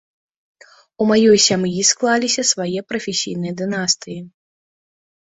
У маёй сям'і склаліся свае прафесійныя дынастыі.